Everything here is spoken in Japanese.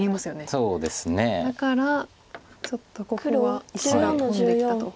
だからちょっとここは石が混んできたと。